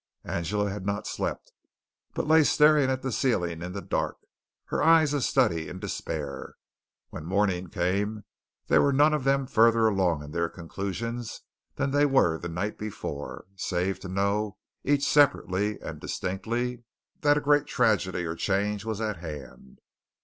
Angela had not slept, but lay staring at the ceiling in the dark, her eyes a study in despair. When morning came they were none of them further along in their conclusions than they were the night before, save to know, each separately and distinctly, that a great tragedy or change was at hand.